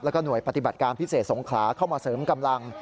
แล้วก็หน่วยปฏิบัติการพิเศษสงขลาเข้ามาเสริมกำลัง